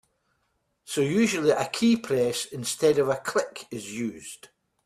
So usually a keypress instead of a click is used.